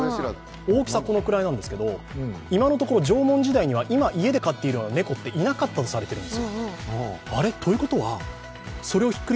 大きさはこのくらいなんですけど、今のところ縄文時代には今、家で飼っているような猫っいなかったようです。